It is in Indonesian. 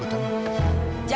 nungguin sini aja